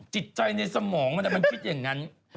จิตใจในสมองมันคิดอย่างนั้น